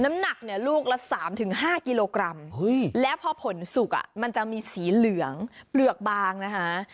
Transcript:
น้ำหนักเนี่ยลูกละ๓๕กิโลกรัมแล้วพอผลสุกมันจะมีสีเหลืองเปลือกบางนะคะ